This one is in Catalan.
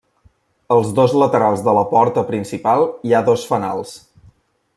Als dos laterals de la porta principal hi ha dos fanals.